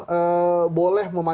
ini sebetulnya itu yang kita lihat